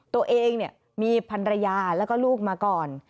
ตัวเองมีพันรยาแล้วก็ลูกมาก่อน